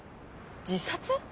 自殺！？